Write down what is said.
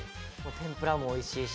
天ぷらもおいしいし。